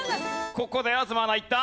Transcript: ここで東アナいった。